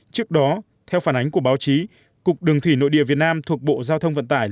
trước đó theo phản ánh của báo chí cục đường thủy nội địa việt nam thuộc bộ giao thông vận tải